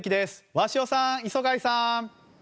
鷲尾さん、磯貝さん。